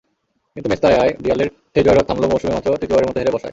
কিন্তু মেস্তায়ায় রিয়ালের সেই জয়রথ থামল মৌসুমে মাত্র তৃতীয়বারের মতো হেরে বসায়।